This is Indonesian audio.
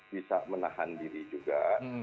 bisa menahan diri juga